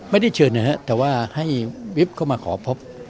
ไม่ได้เชิญนะครับแต่ว่าให้วิบเข้ามาขอพบ